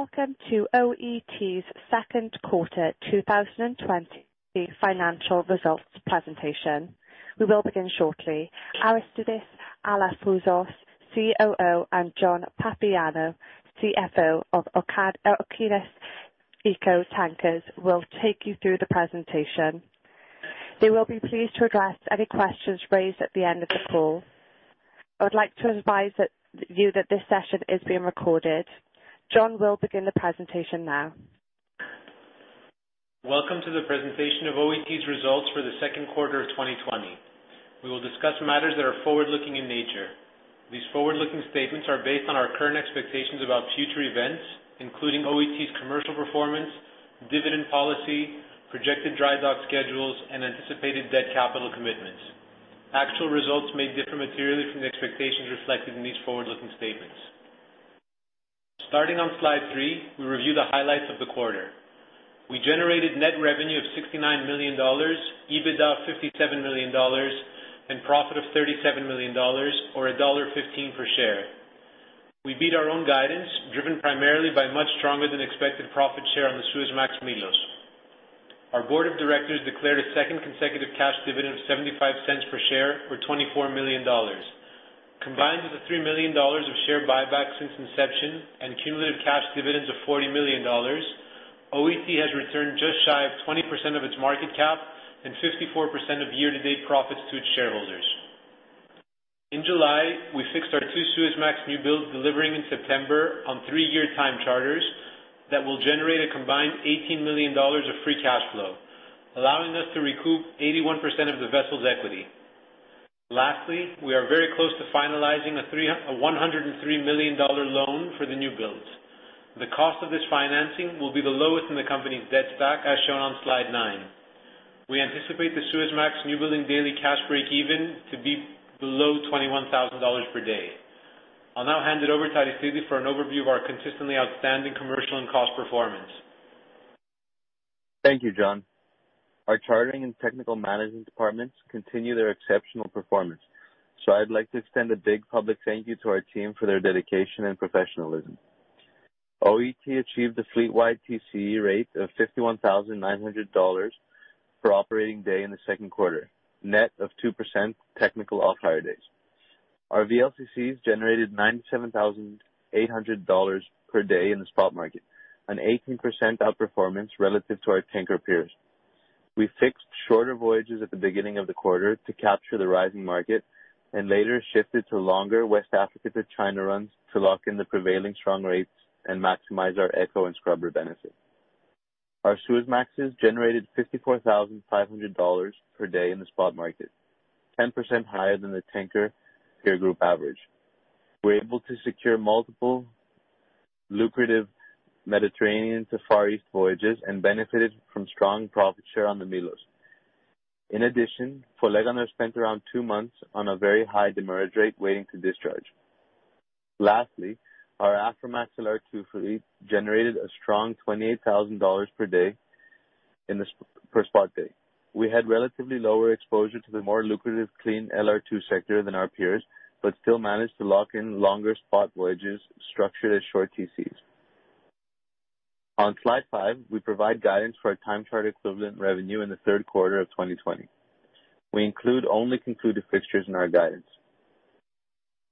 Welcome to OET's second quarter 2020 financial results presentation. We will begin shortly. Aristidis Alafouzos, COO, and John Papaioannou, CFO of Okeanis Eco Tankers, will take you through the presentation. They will be pleased to address any questions raised at the end of the call. I would like to advise you that this session is being recorded. John will begin the presentation now. Welcome to the presentation of OET's results for the second quarter of 2020. We will discuss matters that are forward-looking in nature. These forward-looking statements are based on our current expectations about future events, including OET's commercial performance, dividend policy, projected dry dock schedules, and anticipated debt capital commitments. Actual results may differ materially from the expectations reflected in these forward-looking statements. Starting on slide three, we review the highlights of the quarter. We generated net revenue of $69 million, EBITDA of $57 million, and profit of $37 million, or $1.15 per share. We beat our own guidance, driven primarily by much stronger-than-expected profit share on the Suezmax Milos. Our board of directors declared a second consecutive cash dividend of $0.75 per share, or $24 million. Combined with the $3 million of share buyback since inception and cumulative cash dividends of $40 million, OET has returned just shy of 20% of its market cap and 54% of year-to-date profits to its shareholders. In July, we fixed our two Suezmax newbuildings delivering in September on three-year time charters that will generate a combined $18 million of free cash flow, allowing us to recoup 81% of the vessel's equity. Lastly, we are very close to finalizing a $103 million loan for the newbuildings. The cost of this financing will be the lowest in the company's debt stack, as shown on slide nine. We anticipate the Suezmax newbuilding daily cash break-even to be below $21,000 per day. I'll now hand it over to Aristidis for an overview of our consistently outstanding commercial and cost performance. Thank you, John. Our chartering and technical management departments continue their exceptional performance, so I'd like to extend a big public thank you to our team for their dedication and professionalism. OET achieved a fleet-wide TCE rate of $51,900 per operating day in the second quarter, net of 2% technical off-hire days. Our VLCCs generated $97,800 per day in the spot market, an 18% outperformance relative to our tanker peers. We fixed shorter voyages at the beginning of the quarter to capture the rising market and later shifted to longer West Africa to China runs to lock in the prevailing strong rates and maximize our Eco and scrubber benefit. Our Suezmaxe generated $54,500 per day in the spot market, 10% higher than the tanker peer group average. We were able to secure multiple lucrative Mediterranean to Far East voyages and benefited from strong profit share on the Milos. In addition, Folegandros spent around two months on a very high demurrage rate waiting to discharge. Lastly, our Aframax LR2 fleet generated a strong $28,000 per day per spot day. We had relatively lower exposure to the more lucrative clean LR2 sector than our peers but still managed to lock in longer spot voyages structured as short TCs. On slide five, we provide guidance for our time charter equivalent revenue in the third quarter of 2020. We include only concluded fixtures in our guidance.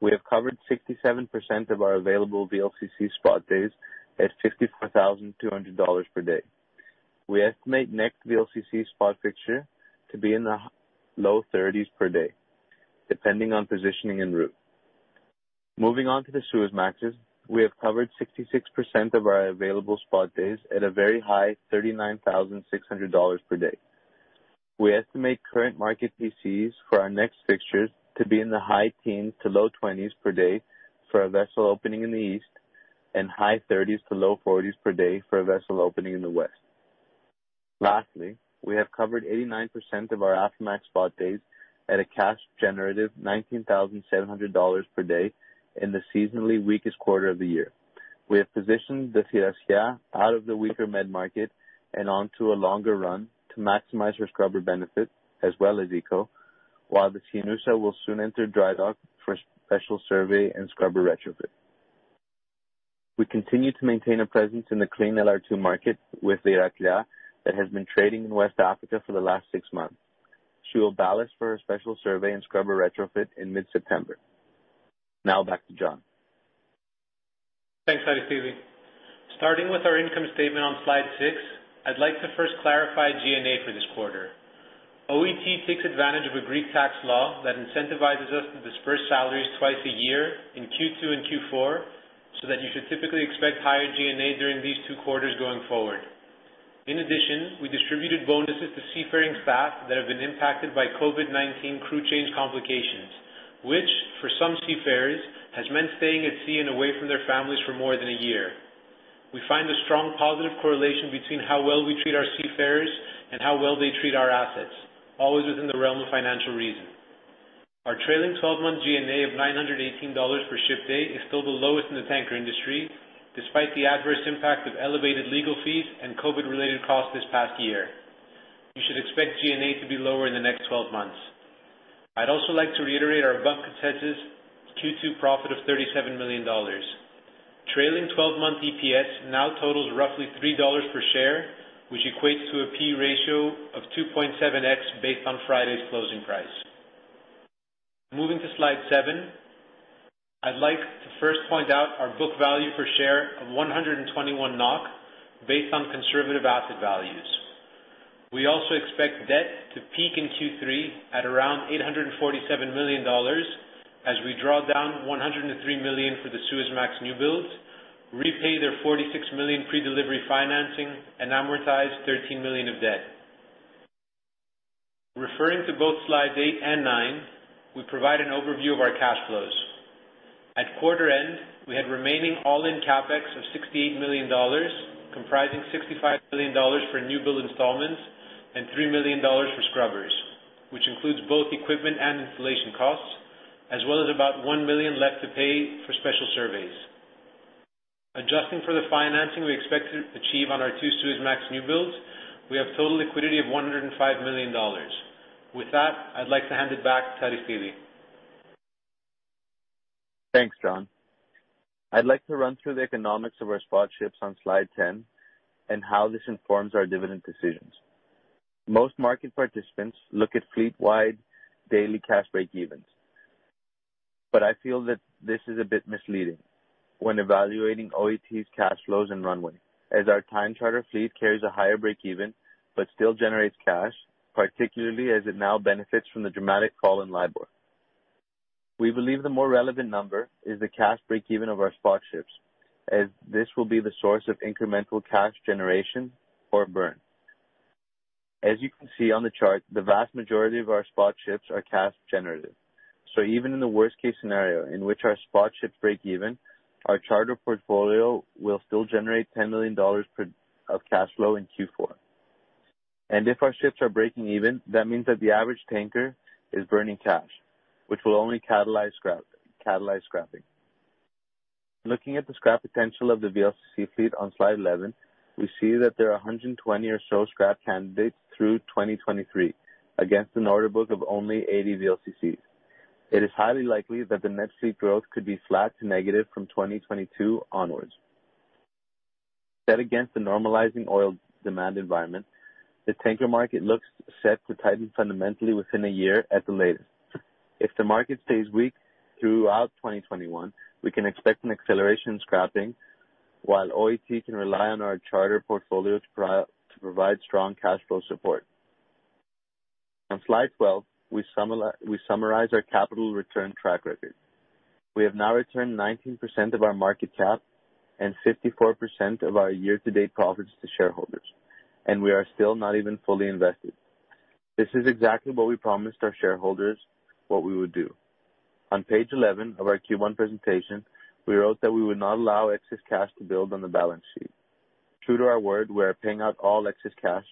We have covered 67% of our available VLCC spot days at $54,200 per day. We estimate next VLCC spot fixture to be in the low 30s per day, depending on positioning and route. Moving on to the Suezmaxe, we have covered 66% of our available spot days at a very high $39,600 per day. We estimate current market TCs for our next fixtures to be in the high teens to low 20s per day for a vessel opening in the east and high 30s to low 40s per day for a vessel opening in the west. Lastly, we have covered 89% of our Aframax spot days at a cash generative $19,700 per day in the seasonally weakest quarter of the year. We have positioned the Thirasia out of the weaker Med market and onto a longer run to maximize her scrubber benefit, as well as Eco, while the Schinoussa will soon enter dry dock for special survey and scrubber retrofit. We continue to maintain a presence in the clean LR2 market with the Iraklia that has been trading in West Africa for the last six months. She will ballast for her special survey and scrubber retrofit in mid-September. Now back to John. Thanks, Aristidis. Starting with our income statement on slide six, I'd like to first clarify G&A for this quarter. OET takes advantage of a Greek tax law that incentivizes us to disperse salaries twice a year in Q2 and Q4, so that you should typically expect higher G&A during these two quarters going forward. In addition, we distributed bonuses to seafaring staff that have been impacted by COVID-19 crew change complications, which for some seafarers has meant staying at sea and away from their families for more than a year. We find a strong positive correlation between how well we treat our seafarers and how well they treat our assets, always within the realm of financial reason. Our trailing 12-month G&A of $918 per ship day is still the lowest in the tanker industry, despite the adverse impact of elevated legal fees and COVID-related costs this past year. You should expect G&A to be lower in the next 12 months. I'd also like to reiterate our bump consensus Q2 profit of $37 million. Trailing 12-month EPS now totals roughly $3 per share, which equates to a P/E ratio of 2.7x based on Friday's closing price. Moving to slide seven, I'd like to first point out our book value per share of 121 NOK based on conservative asset values. We also expect debt to peak in Q3 at around $847 million as we draw down $103 million for the Suezmax newbuildings, repay their $46 million pre-delivery financing, and amortize $13 million of debt. Referring to both slide eight and nine, we provide an overview of our cash flows. At quarter end, we had remaining all-in CapEx of $68 million, comprising $65 million for newbuilding installments and $3 million for scrubbers, which includes both equipment and installation costs, as well as about $1 million left to pay for special surveys. Adjusting for the financing we expect to achieve on our two Suezmax newbuildings, we have total liquidity of $105 million. With that, I'd like to hand it back to Aristidis. Thanks, John. I'd like to run through the economics of our spot ships on slide 10 and how this informs our dividend decisions. Most market participants look at fleet-wide daily cash break-evens, but I feel that this is a bit misleading when evaluating OET's cash flows and runway, as our time charter fleet carries a higher break-even but still generates cash, particularly as it now benefits from the dramatic fall in Libor. We believe the more relevant number is the cash break-even of our spot ships, as this will be the source of incremental cash generation or burn. As you can see on the chart, the vast majority of our spot ships are cash generative. So even in the worst-case scenario in which our spot ships break even, our charter portfolio will still generate $10 million of cash flow in Q4. And if our ships are breaking even, that means that the average tanker is burning cash, which will only catalyze scrapping. Looking at the scrap potential of the VLCC fleet on slide 11, we see that there are 120 or so scrap candidates through 2023 against a notable of only 80 VLCCs. It is highly likely that the net fleet growth could be flat to negative from 2022 onwards. Set against the normalizing oil demand environment, the tanker market looks set to tighten fundamentally within a year at the latest. If the market stays weak throughout 2021, we can expect an acceleration in scrapping, while OET can rely on our charter portfolio to provide strong cash flow support. On slide 12, we summarize our capital return track record. We have now returned 19% of our market cap and 54% of our year-to-date profits to shareholders, and we are still not even fully invested. This is exactly what we promised our shareholders we would do. On page 11 of our Q1 presentation, we wrote that we would not allow excess cash to build on the balance sheet. True to our word, we are paying out all excess cash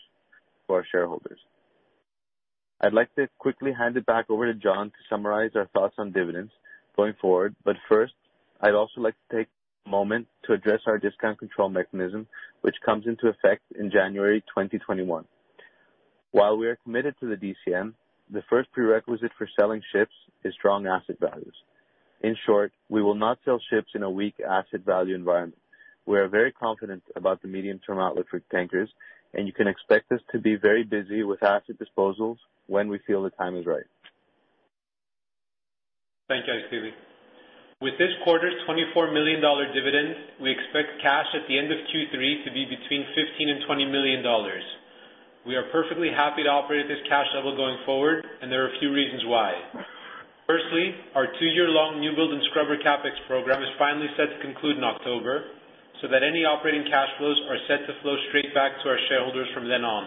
to our shareholders. I'd like to quickly hand it back over to John to summarize our thoughts on dividends going forward, but first, I'd also like to take a moment to address our discount control mechanism, which comes into effect in January 2021. While we are committed to the DCM, the first prerequisite for selling ships is strong asset values. In short, we will not sell ships in a weak asset value environment. We are very confident about the medium-term outlook for tankers, and you can expect us to be very busy with asset disposals when we feel the time is right. Thank you, Aristidis. With this quarter's $24 million dividend, we expect cash at the end of Q3 to be between $15 and $20 million. We are perfectly happy to operate at this cash level going forward, and there are a few reasons why. Firstly, our two-year-long new build and scrubber CapEx program is finally set to conclude in October so that any operating cash flows are set to flow straight back to our shareholders from then on.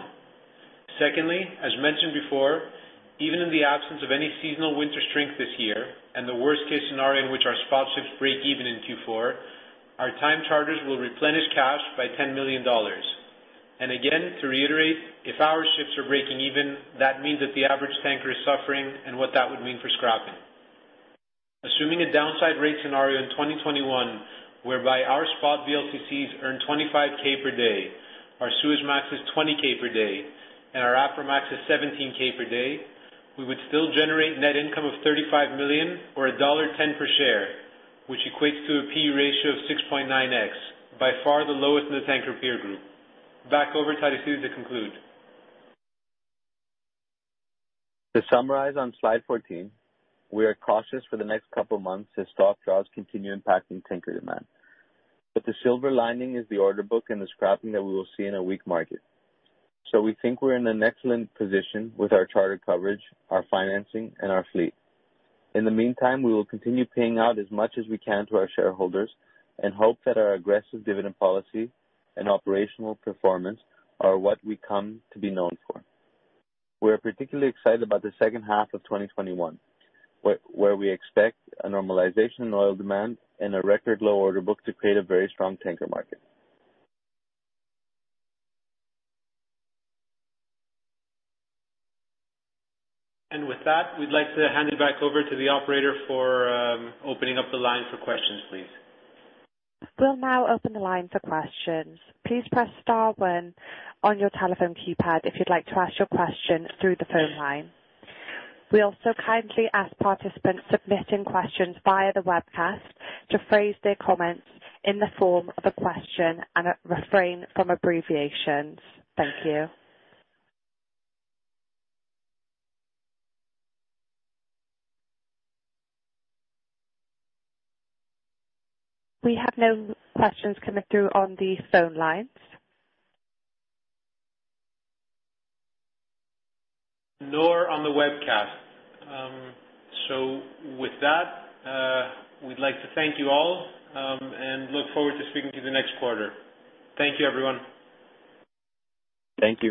Secondly, as mentioned before, even in the absence of any seasonal winter strength this year and the worst-case scenario in which our spot ships break even in Q4, our time charters will replenish cash by $10 million. And again, to reiterate, if our ships are breaking even, that means that the average tanker is suffering and what that would mean for scrapping. Assuming a downside rate scenario in 2021 whereby our spot VLCCs earn 25K per day, our Suezmax is 20K per day, and our Aframax is 17K per day, we would still generate net income of $35 million or $1.10 per share, which equates to a P/E ratio of 6.9X, by far the lowest in the tanker peer group. Back over to Aristidis to conclude. To summarize on slide 14, we are cautious for the next couple of months as stock draws continue impacting tanker demand. But the silver lining is the order book and the scrapping that we will see in a weak market. So we think we're in an excellent position with our charter coverage, our financing, and our fleet. In the meantime, we will continue paying out as much as we can to our shareholders and hope that our aggressive dividend policy and operational performance are what we come to be known for. We are particularly excited about the second half of 2021, where we expect a normalization in oil demand and a record low order book to create a very strong tanker market. With that, we'd like to hand it back over to the operator for opening up the line for questions, please. We'll now open the line for questions. Please press star when on your telephone keypad if you'd like to ask your question through the phone line. We also kindly ask participants to submit questions via the webcast to phrase their comments in the form of a question and refrain from abbreviations. Thank you. We have no questions coming through on the phone lines. Nor on the webcast. So with that, we'd like to thank you all and look forward to speaking to you the next quarter. Thank you, everyone. Thank you.